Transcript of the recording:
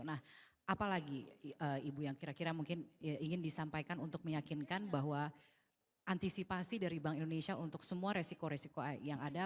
nah apalagi ibu yang kira kira mungkin ingin disampaikan untuk meyakinkan bahwa antisipasi dari bank indonesia untuk semua resiko resiko yang ada